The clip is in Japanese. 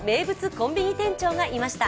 コンビニ店長がいました。